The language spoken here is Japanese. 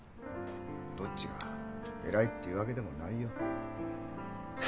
どっちが偉いっていうわけでもないよ。